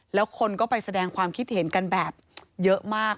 แล้วคนก็ไปแสดงความคิดเห็นกันแบบเยอะมาก